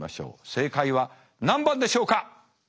正解は何番でしょうか？